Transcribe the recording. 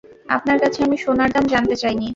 আপনার কাছে আমি সোনার দাম জানতে চাইনি!